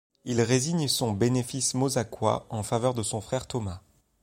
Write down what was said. Il résigne son bénéfice mozacois en faveur de son frère Thomas.